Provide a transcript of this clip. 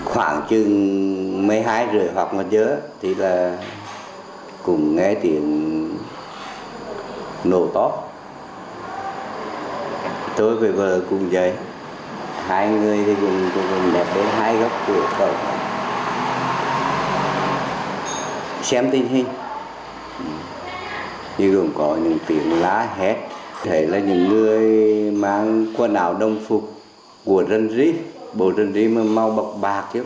hãy đăng ký kênh để ủng hộ kênh của mình nhé